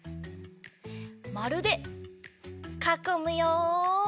まるでかこむよ！